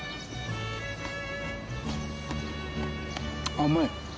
甘い。